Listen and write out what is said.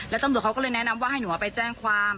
แล้วตำรวจเขาก็เลยแนะนำว่าให้หนูเอาไปแจ้งความ